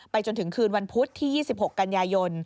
จนถึงคืนวันพุธที่๒๖กันยายน